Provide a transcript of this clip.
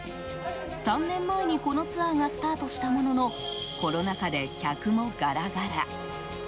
３年前にこのツアーがスタートしたもののコロナ禍で客もガラガラ。